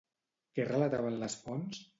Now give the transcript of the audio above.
Què relataven les fonts?